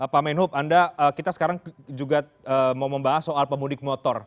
pak menhub anda kita sekarang juga mau membahas soal pemudik motor